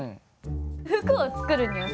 服を作るにはさ。